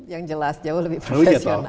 yang jelas jauh lebih profesional